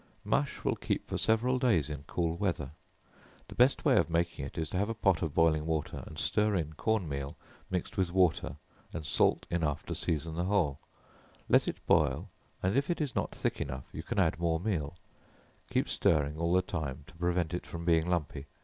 Mush will keep for several days in cool weather; the best way of making it is to have a pot of boiling water, and stir in corn meal, mixed with water, and salt enough to season the whole; let it boil, and if it is not thick enough you can add more meal; keep stirring all the time to prevent it from being lumpy.